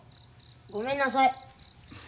ごめんなさい。